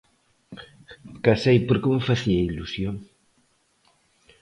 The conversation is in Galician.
Casei porque me facía ilusión.